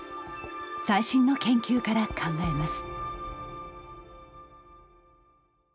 最新の研究から考えます。